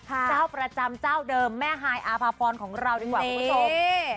เจ้าประจำเจ้าเดิมแม่ฮายอาภาพรของเราดีกว่าคุณผู้ชม